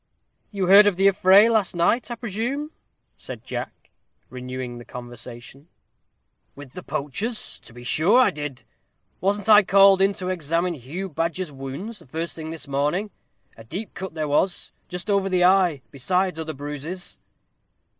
"You heard of the affray last night, I presume?" said Jack, renewing the conversation. "With the poachers? To be sure I did. Wasn't I called in to examine Hugh Badger's wounds the first thing this morning; and a deep cut there was, just over the eye, besides other bruises."